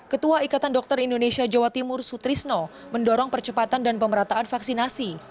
ketua ikatan dokter indonesia jawa timur sutrisno mendorong percepatan dan pemerataan vaksinasi